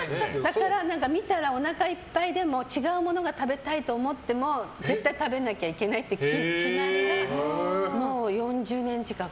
だから見たらおなかいっぱいでも違うものが食べたいと思っても絶対食べなきゃいけないって決まりで、もう４０年近く。